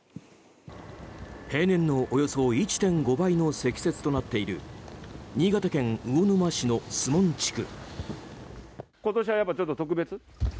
平年のおよそ１．５倍の積雪となっている新潟県魚沼市の守門地区。